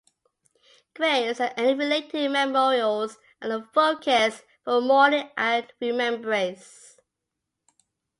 Graves, and any related memorials are a focus for mourning and remembrance.